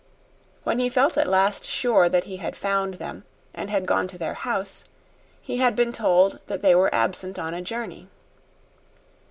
When he felt at last sure that he had found them and had gone to their house, he had been told that they were absent on a journey.